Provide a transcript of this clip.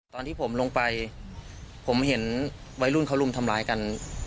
ตอนที่ผมลงไปผมเห็นวัยรุ่นเขารุมทำร้ายกัน